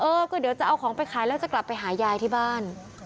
เออก็เดี๋ยวจะเอาของไปขายแล้วจะกลับไปหายายที่บ้าน